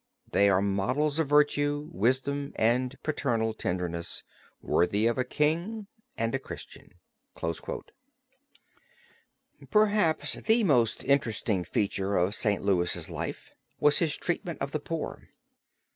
They are models of virtue, wisdom and paternal tenderness, worthy of a King and a Christian." Perhaps the most interesting feature of St. Louis' life was his treatment of the poor.